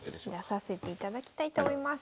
出させていただきたいと思います。